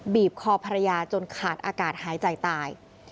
บีบคอภรรยาจนขาดอากาศหายใจตาย